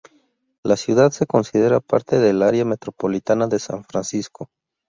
La ciudad se considera parte del área metropolitana de San Francisco.